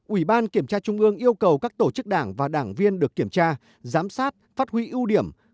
ủy ban kiểm tra trung ương yêu cầu các tổ chức đảng và đảng viên được kiểm tra giám sát phát huy ưu điểm